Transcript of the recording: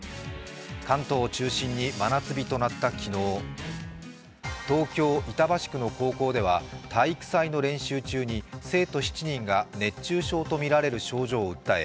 関東を中心に真夏日となった昨日東京・板橋区の高校では体育祭の練習中に生徒７人が熱中症とみられる症状を訴え